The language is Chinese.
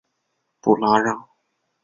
布拉让。